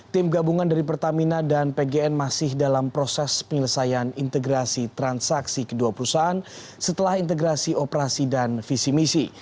tim gabungan dari pertamina dan pgn masih dalam proses penyelesaian integrasi transaksi kedua perusahaan setelah integrasi operasi dan visi misi